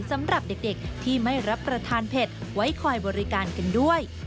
สำหรับเด็กที่ไม่รับประทานเผ็ดไว้คอยบริการกันด้วย